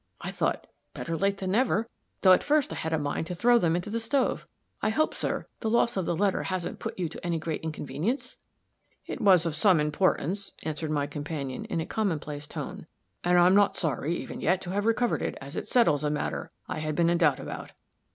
I thought, 'better late than never,' though at first I had a mind to throw them into the stove. I hope, sir, the loss of the letter hasn't put you to any very great inconvenience?" "It was of some importance," answered my companion, in a commonplace tone, "and I'm not sorry, even yet, to have recovered it, as it settles a matter I had been in doubt about.